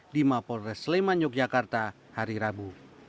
di mapol resleman yogyakarta hari rabu